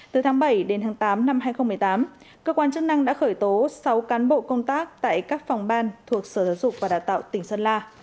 từ tháng bảy đến tháng tám năm hai nghìn một mươi tám cơ quan chức năng đã khởi tố sáu cán bộ công tác tại các phòng ban thuộc sở giáo dục và đào tạo tỉnh sơn la